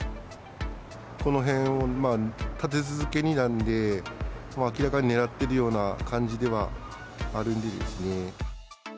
この辺を立て続けになんで、明らかにねらってるような感じではあるんですね。